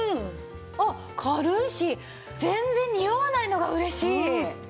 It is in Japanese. あっ軽いし全然におわないのが嬉しい。